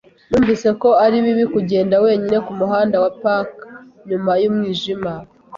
Numvise ko ari bibi kugenda wenyine ku muhanda wa Park nyuma y'umwijima.